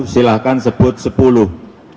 silahkan sebut sepuluh